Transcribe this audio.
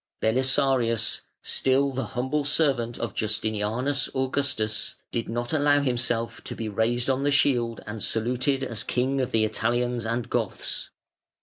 Belisarius, still the humble servant of Justinianus Augustus, did not allow himself to be raised on the shield and saluted as King of the Italians and Goths.